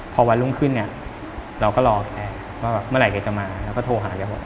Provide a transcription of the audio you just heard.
พอวันรุ่งขึ้นเนี่ยเราก็รอแกว่าเมื่อไหร่แกจะมาแล้วก็โทรหาแกบอก